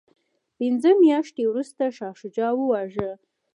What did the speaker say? پنځه میاشتې وروسته شاه شجاع وواژه.